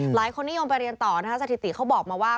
หลายคนนิยมไปเรียนต่อนะคะสถิติเขาบอกมาว่า